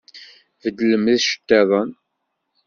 Beddlem iceṭṭiḍen!